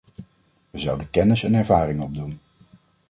Wij zouden kennis en ervaring opdoen.